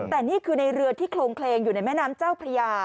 แต่นี่คือในเรือที่โครงเคลงอยู่ในแม่น้ำเจ้าพระยา